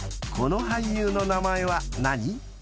［この俳優の名前は何？］